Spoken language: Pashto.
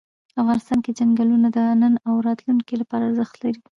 افغانستان کې چنګلونه د نن او راتلونکي لپاره ارزښت لري.